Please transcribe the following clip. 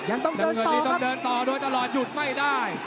นับอันตรีต้องเดินต่อตือเดินต่อโดยตลอดหยุดไม่ได้